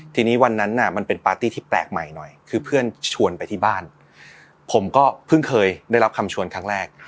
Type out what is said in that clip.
ทีนี้วันนั้นน่ะมันเป็นปาร์ตี้ที่แปลกใหม่หน่อยคือเพื่อนชวนไปที่บ้านผมก็เพิ่งเคยได้รับคำชวนครั้งแรก